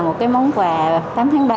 một cái món quà tám tháng ba